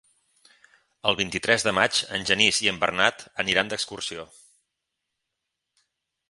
El vint-i-tres de maig en Genís i en Bernat iran d'excursió.